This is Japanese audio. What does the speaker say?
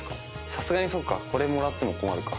さすがにそっかこれもらっても困るか。